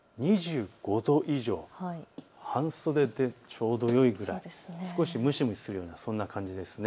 ２５度以上、半袖でちょうどよいぐらい、少しむしむしするような感じです。